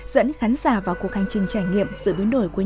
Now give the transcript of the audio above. dẫn khán giả vào cuộc hành trình trải nghiệm giữa đối đổi quốc gia